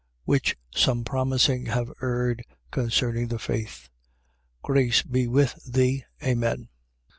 6:21. Which some promising, have erred concerning the faith. Grace be with thee. Amen.